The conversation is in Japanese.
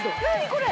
これ！